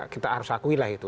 kita harus akui lah itu